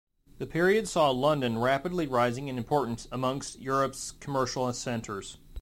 The period saw London rapidly rising in importance amongst Europe's commercial centres.